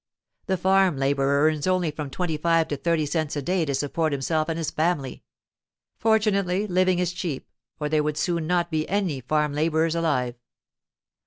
The farm labourer earns only from twenty five to thirty cents a day to support himself and his family. Fortunately, living is cheap or there would soon not be any farm labourers alive.